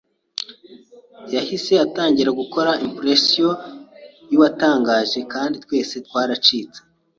Yahise atangira gukora impression yuwatangaje kandi twese twaracitse.